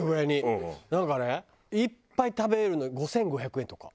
なんかねいっぱい食べれるの５５００円とか。